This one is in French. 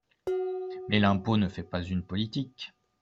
Mais l’impôt ne fait pas une politique.